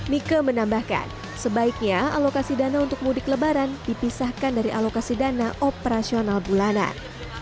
mika menambahkan sebaiknya alokasi dana untuk mudik lebaran dipisahkan dari alokasi dana operasional bulanan